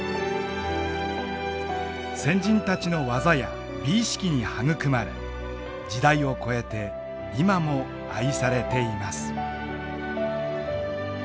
先人たちの技や美意識に育まれ時代を超えて今も愛されています。